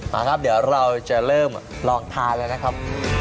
มาครับเดี๋ยวเราจะเริ่มลองทานแล้วนะครับ